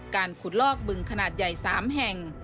การขุดลอกบึงขนาดใหญ่๓แห่ง